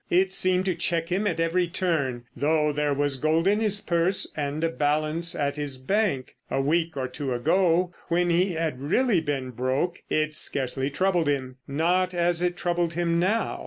It seemed to check him at every turn—though there was gold in his purse and a balance at his bank. A week or two ago when he had been really broke, it scarcely troubled him. Not as it troubled him now.